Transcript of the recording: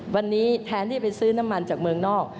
วันนี้แทนที่ไปซื้อน้ำมันจากเมืองนอก